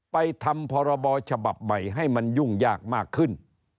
ไปทำพรบฉบับใหม่ให้มันยุ่งยากมากขึ้น